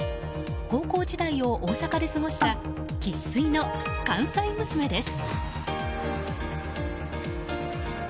高校時代を大阪で過ごした生粋の関西娘です。